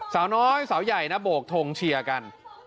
สาวน้อยสาวใหญ่นะโบกทงเชียร์กัน